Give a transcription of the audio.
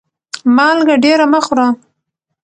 مالګه ډيره مه خوره